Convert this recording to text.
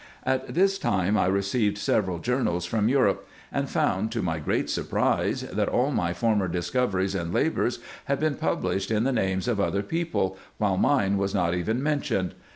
At this time I received several journals from Europe ; and found, to my great surprise, that all my former discoveries and labours had been published in the names of other people, while mine was not even mentioned.